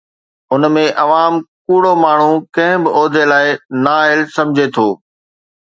ان ۾ عوام ڪوڙو ماڻهو ڪنهن به عهدي لاءِ نااهل سمجهي ٿو.